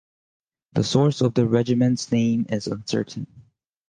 The source of the regiment's name is uncertain.